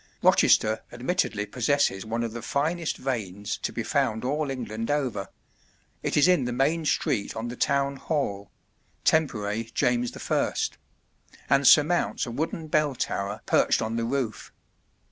W. Hogg. 1892.] Rochester admittedly possesses one of the finest vanes to be found all England over; it is in the main street on the Town Hall (temp. James I.), and surmounts a wooden bell tower perched on the roof.